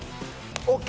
ＯＫ